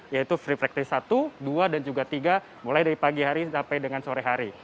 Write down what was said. yaitu free practice satu dua dan juga tiga mulai dari pagi hari sampai dengan sore hari